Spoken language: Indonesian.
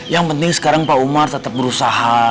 yang penting sekarang pak umar tetap berusaha